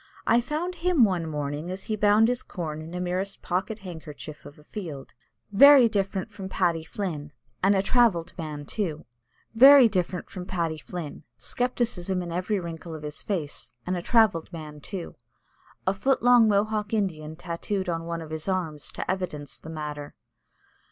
I found him one morning as he bound his corn in a merest pocket handkerchief of a field. Very different from Paddy Flynn Scepticism in every wrinkle of his face, and a travelled man, too! a foot long Mohawk Indian tatooed on one of his arms to evidence the matter.